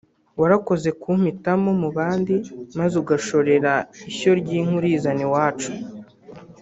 warakoze kumpitamo mu bandi maze ugashorera ishyo ry’inka urizana iwacu